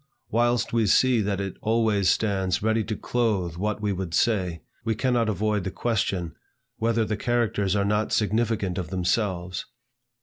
Whilst we see that it always stands ready to clothe what we would say, we cannot avoid the question, whether the characters are not significant of themselves.